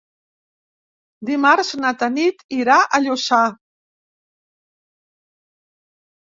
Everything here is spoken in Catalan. Dimarts na Tanit irà a Lluçà.